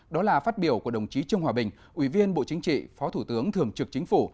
đó là phát biểu của đồng chí trương hòa bình ủy viên bộ chính trị phó thủ tướng thường trực chính phủ